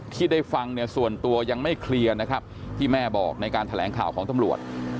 ที่ได้ฟังเนี่ยส่วนตัวยังไม่เคลียร์นะครับที่แม่บอกในการแถลงข่าวของตำรวจ